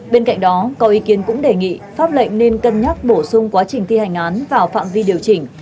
bên cạnh đó có ý kiến cũng đề nghị pháp lệnh nên cân nhắc bổ sung quá trình thi hành án vào phạm vi điều chỉnh